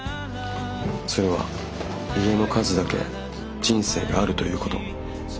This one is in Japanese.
それは家の数だけ人生があるということ。